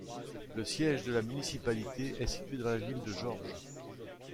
Le siège de la municipalité est situé dans la ville de George.